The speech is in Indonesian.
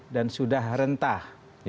dan sudah rentah